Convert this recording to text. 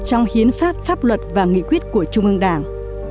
trong hiến pháp pháp luật và nghị quyết của trung ương đảng